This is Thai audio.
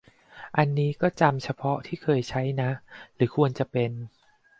อันนี้ก็จำเฉพาะที่เคยใช้นะ หรือควรจะเป็น